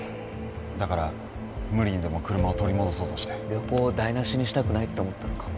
だから無理にでも車を取り戻そうとして旅行を台なしにしたくないと思ったのかも